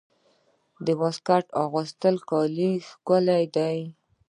د واسکټ اغوستل د کالیو ښکلا ده.